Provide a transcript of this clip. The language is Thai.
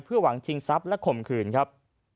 เพื่อหวังทิ้งทรัพย์และคมคืนครับ